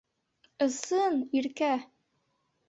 Ысын, Иркә.